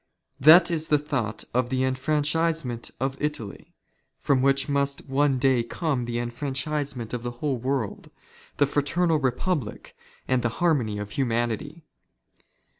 That is tlie " thought of the enfranchisement of Italy , from which must one day " come the enfranchisement of the entire world, the fraternal re " public, and the harmony of humanity.